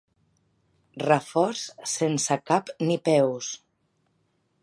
Reforç sense cap ni peus.